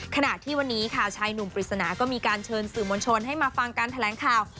ขณะที่วันนี้ค่ะชายหนุ่มปริศนาก็มีการเชิญสื่อมวลชนให้มาฟังการแถลงข่าว